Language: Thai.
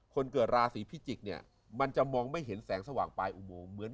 คนเกิดราศีพิจิกเนี่ยมันจะมองไม่เห็นแสงสว่างปลายอุโมงเหมือน